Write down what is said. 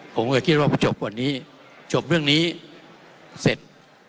ผมก็คิดว่ามันจบวันนี้จบเรื่องนี้เสร็จ